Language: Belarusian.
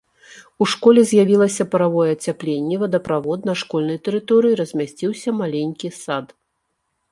У школе з'явілася паравое ацяпленне, вадаправод, на школьнай тэрыторыі размясціўся маленькі сад.